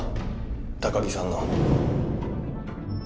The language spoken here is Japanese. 高城さんの。